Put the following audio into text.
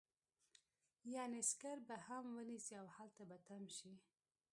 يعنې سکر به هم ونيسي او هلته به تم شي.